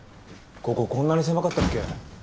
こここんなに狭かったっけ？